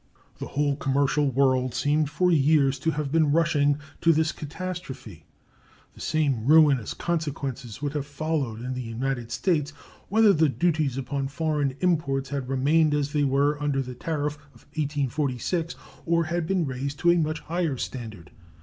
The whole commercial world seemed for years to have been rushing to this catastrophe. The same ruinous consequences would have followed in the United States whether the duties upon foreign imports had remained as they were under the tariff of 1846 or had been raised to a much higher standard.